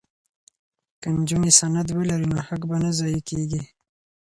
که نجونې سند ولري نو حق به نه ضایع کیږي.